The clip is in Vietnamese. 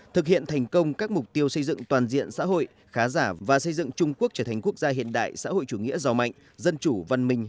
thực hiện thành công các mục tiêu xây dựng toàn diện xã hội khá giảm và xây dựng trung quốc trở thành quốc gia hiện đại